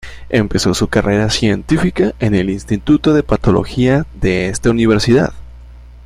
Empezó su carrera científica en el Instituto de Patología de esta universidad.